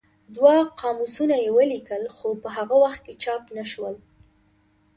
دوه قاموسونه یې ولیکل خو په هغه وخت کې چاپ نه شول.